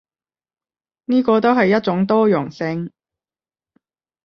呢個都係一種多樣性